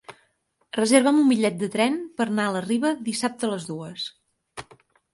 Reserva'm un bitllet de tren per anar a la Riba dissabte a les dues.